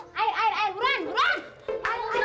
nih mau diapain